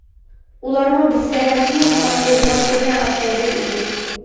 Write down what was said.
ئۇلارمۇ بىزگە ھەر كۈنى تاماق بېرىدىغان تۈرمە ئاشپەزلىرى ئىدى.